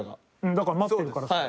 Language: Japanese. だから待ってるからですよね。